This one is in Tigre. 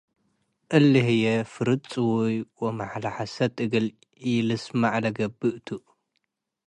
እሊ ህዬ፡ ፍርድ ጽዉይ ወመሐለ ሐሰት እግል ኢልስመዕ ለገብእ ቱ ።